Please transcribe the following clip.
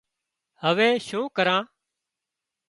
هوي شون ڪران